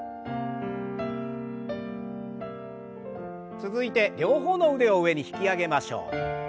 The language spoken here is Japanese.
続いて両方の腕を上に引き上げましょう。